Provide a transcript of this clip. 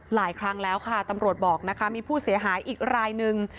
หลายครั้งแล้วค่ะตำรวจบอกนะคะมีผู้เสียหายอีกรายนึง